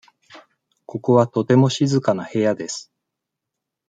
ここはとても静かな部屋です。